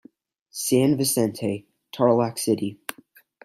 San Vicente, Tarlac City.